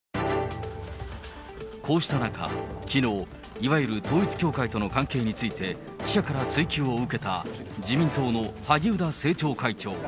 こうした中、きのう、いわゆる統一教会との関係について、記者から追及を受けた、自民党の萩生田政調会長。